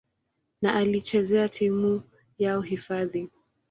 na alichezea timu yao hifadhi.